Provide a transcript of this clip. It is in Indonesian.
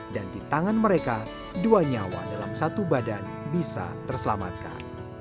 dan di tangan mereka dua nyawa dalam satu badan bisa terselamatkan